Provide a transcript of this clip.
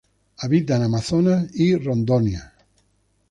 Habita en Amazonas y Rondônia.